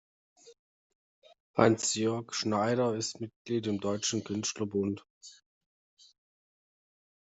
Hansjörg Schneider ist Mitglied im Deutschen Künstlerbund.